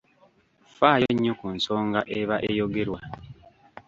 Faayo nnyo ku nsonga eba eyogerwa.